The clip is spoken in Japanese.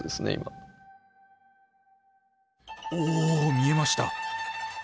おお見えました！